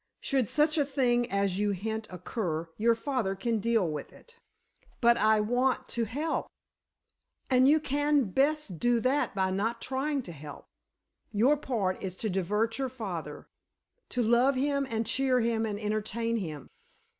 Should such a thing as you hint occur, your father can deal with it." "But I want to help——" "And you can best do that by not trying to help! Your part is to divert your father, to love him and cheer him and entertain him.